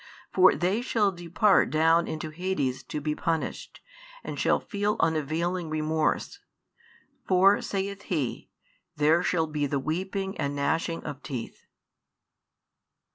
For they shall depart down into Hades to be punished, and shall feel unavailing remorse. For, saith He, there shall be the weeping and gnashing of teeth.